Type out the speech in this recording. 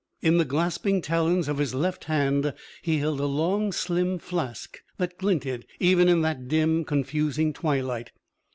In the clasping talons of his left hand he held a long, slim flask that glinted even in that dim, confusing twilight.